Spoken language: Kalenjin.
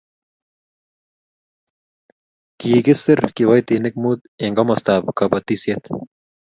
kikiser kiboitinik mut eng' komostab kabotisiet